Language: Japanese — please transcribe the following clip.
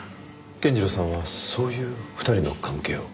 健次郎さんはそういう２人の関係を？